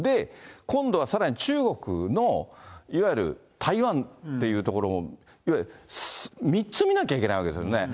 今度はさらに中国のいわゆる台湾っていう所も、いわゆる３つ見なきゃいけないわけですよね。